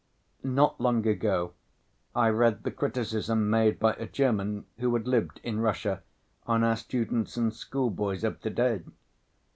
Not long ago I read the criticism made by a German who had lived in Russia, on our students and schoolboys of to‐day.